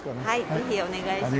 ぜひお願いします。